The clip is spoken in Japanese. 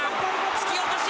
突き落とし！